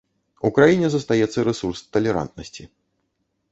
У краіне застаецца рэсурс талерантнасці.